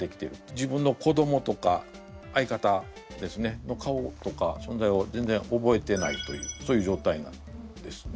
自分の子どもとか相方の顔とかそんざいを全然覚えてないというそういうじょうたいなんですね。